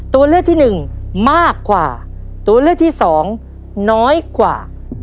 ตัวเลือกที่หนึ่งมากกว่าตัวเลือกที่สองน้อยกว่า